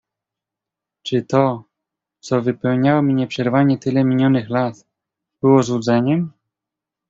"Czy to, co wypełniało mi nieprzerwanie tyle minionych lat, było złudzeniem?"